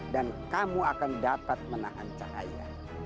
dan kamu akan dapat menahan cahaya